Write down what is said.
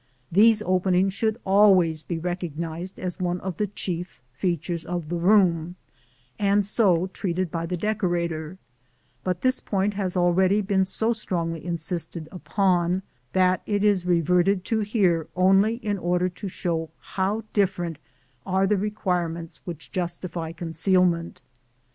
These openings should always be recognized as one of the chief features of the room, and so treated by the decorator; but this point has already been so strongly insisted upon that it is reverted to here only in order to show how different are the requirements which justify concealment.